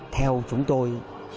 theo chúng tôi